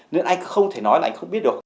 nên anh không thể nói là anh không biết được